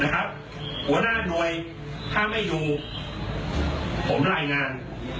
หัวหน้าหน่วยถ้าไม่อยู่ผมไลน์งาน